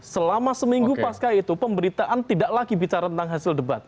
selama seminggu pasca itu pemberitaan tidak lagi bicara tentang hasil debat